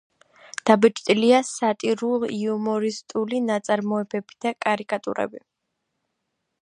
დაბეჭდილია სატირულ-იუმორისტული ნაწარმოებები და კარიკატურები.